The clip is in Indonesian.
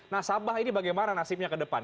nah sabah ini bagaimana nasibnya ke depan